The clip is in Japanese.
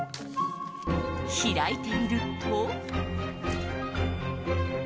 開いてみると。